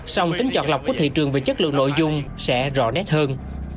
song tính chọn lọc của thị trường về chất lượng nội dung sẽ rõ nét hơn